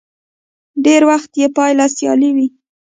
ډېری وخت يې پايله سیالي وي.